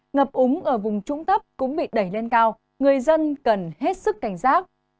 ngập úng ở vùng trũng thấp cũng bị đẩy lên cao người dân cần hết sức cảnh giác